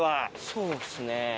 そうっすね。